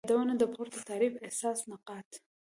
یادونه : د پورته تعریف اساسی نقاط